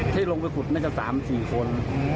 ที่ลงไปขุดน่าจะ๓๔คน